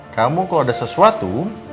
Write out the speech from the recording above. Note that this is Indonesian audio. kamu kalau ada sesuatu